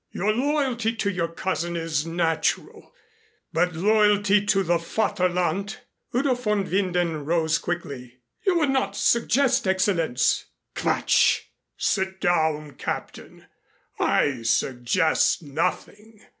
"Your loyalty to your cousin is natural, but loyalty to the Vaterland " Udo von Winden rose quickly. "You would not suggest, Excellenz ?" "Quatsch! Sit down, Captain. I suggest nothing.